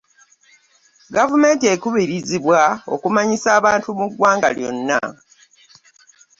Gavumenti ekubirizibwa okumanyisa abantu mu ggwanga lyonna.